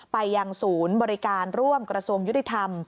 ไปยังศูนย์บริการร่วมกระทรวงยุติธรรม